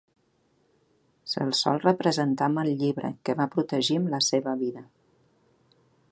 Se'l sol representar amb el llibre, que va protegir amb la seva vida.